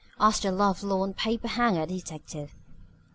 asked the lovelorn paper hanger detective.